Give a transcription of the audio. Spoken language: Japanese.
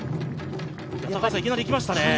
いきなり行きましたね。